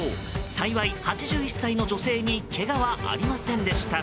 幸い、８１歳の女性にけがはありませんでした。